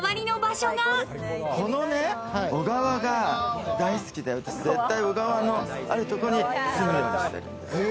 このね、小川が大好きで、私絶対、小川のあるところに住むようにしてるの。